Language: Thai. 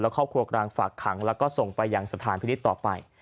ครอบครัวกลางฝากขังแล้วก็ส่งไปยังสถานพินิษฐ์ต่อไป